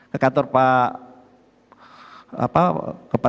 ke kantor pak